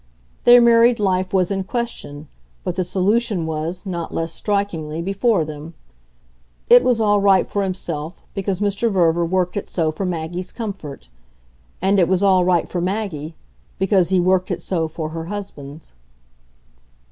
Their married life was in question, but the solution was, not less strikingly, before them. It was all right for himself, because Mr. Verver worked it so for Maggie's comfort; and it was all right for Maggie, because he worked it so for her husband's.